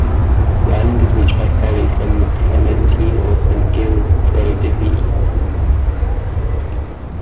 The island is reached by ferry from Fromentine or Saint-Gilles-Croix-de-Vie.